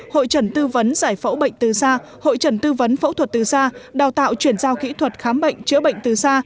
hội trần tư vấn giải phẫu bệnh từ xa hội trần tư vấn phẫu thuật từ xa đào tạo chuyển giao kỹ thuật khám bệnh chữa bệnh từ xa